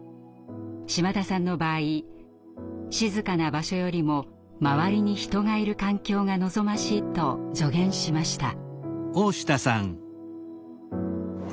島田さんの場合静かな場所よりも周りに人がいる環境が望ましいと助言しました。